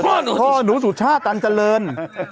พ่อหนูสุชาติตันเจริญ